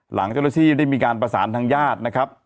หลังเจ้าหน้าที่ได้มีการประสานทางญาตินะครับ